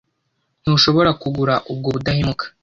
Ntushobora kugura ubwo budahemuka.